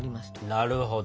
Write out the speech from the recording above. なるほど。